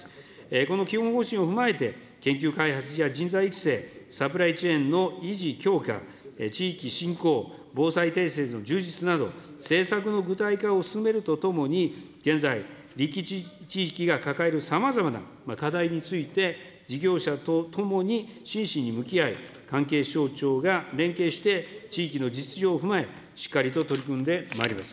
この基本方針を踏まえて、研究開発や人材育成、サプライチェーンの維持・強化、地域振興、防災の充実など、政策の具体化を進めるとともに、現在、立地地域が抱えるさまざまな課題について、事業者とともに真摯に向き合い、関係省庁が連携して地域の実情を踏まえ、しっかりと取り組んでまいります。